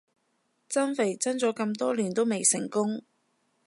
增肥增咗咁多年都未成功